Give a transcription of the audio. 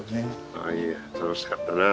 ああいやいや楽しかったなあ